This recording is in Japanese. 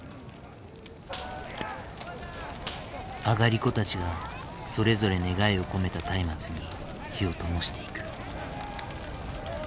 上り子たちがそれぞれ願いを込めた松明に火をともしていく。